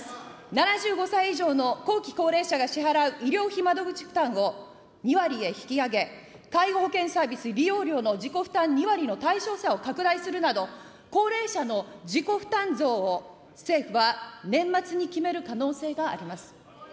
７５歳以上の後期高齢者が支払う医療費窓口負担を、２割へ引き上げ、介護保険サービス利用料の自己負担２割の対象者を拡大するなど、高齢者の自己負担増を、政府は年末に決める可能性があります。